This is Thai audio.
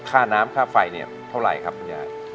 ค่าน้ำค่าไฟเนี่ยเท่าไหร่ครับคุณยาย